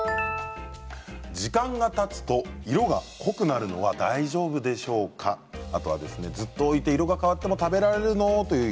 時間がたつと色が濃くなるのは大丈夫でしょうか？とかずっと置いているが変わっても食べられるの？